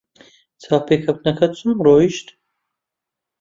چاوپێکەوتنەکەت چۆن ڕۆیشت؟